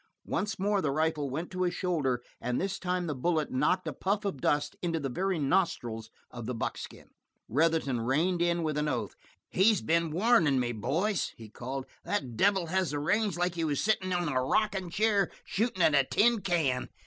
Once more the rifle went to his shoulder, and this time the bullet knocked a puff of dust into the very nostrils of the buckskin. Retherton reined in with an oath. "He's been warn in' me, boys," he called. "That devil has the range like he was sitting in a rockin' chair shooting at a tin can.